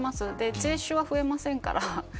税収は増えませんから。